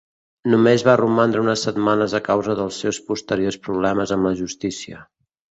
Només va romandre unes setmanes a causa dels seus posteriors problemes amb la Justícia.